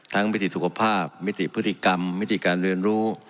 ทั้งวิธีสุขภาพวิธีพฤติกรรมวิธีการเรียนรู้